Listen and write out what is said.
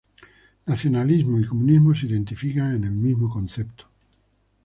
Nacionalsocialismo y comunismo se identifican en el mismo concepto.